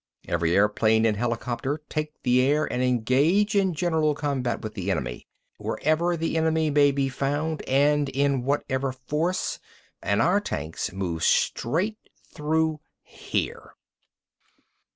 Every airplane and helicopter take the air and engage in general combat with the enemy, wherever the enemy may be found and in whatever force. And our tanks move straight through here!"